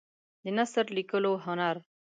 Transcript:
د نثر لیکلو هنر